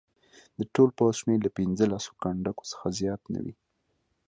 د ټول پوځ شمېر له پنځه لسو کنډکو څخه زیات نه وي.